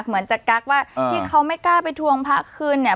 เหมือนจะกักว่าที่เขาไม่กล้าไปทวงพระคืนเนี่ย